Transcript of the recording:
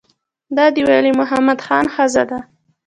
دا د ولی محمد خان ښځه ده.